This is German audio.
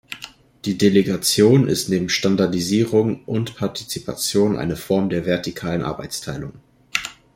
Die Delegation ist neben Standardisierung und Partizipation eine Form der vertikalen Arbeitsteilung.